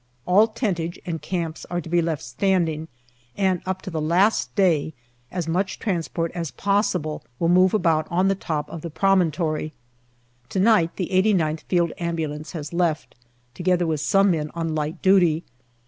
All tentage and camps are to be left standing, and up to the last day as much transport as possible will move about on the top of the promontory. To night the 8gth Field Ambulance has left, together with some men on light duty.